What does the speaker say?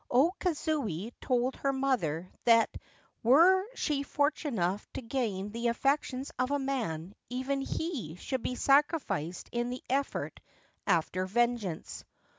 O Kazuye told her mother that were she fortunate enough to gain the affections of a man, even he should be sacrificed in the effort after vengeance.